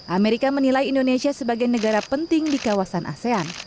amerika menilai indonesia sebagai negara penting di kawasan asean